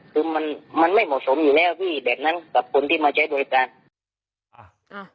คือมันมันไม่เหมาะสมอยู่แล้วพี่แบบนั้นกับคนที่มาใช้บริการอ่า